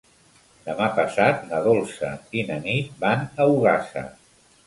Demà passat na Dolça i na Nit van a Ogassa.